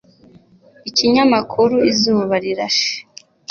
Ikinyamakuru Izuba Rirashe